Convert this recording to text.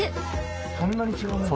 そんなに違うもの？